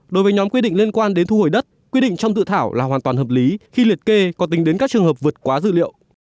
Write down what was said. đối với nhóm quy định liên quan đến thu hồi đất quy định trong dự thảo là hoàn toàn hợp lý khi liệt kê có tính đến các trường hợp vượt quá dữ liệu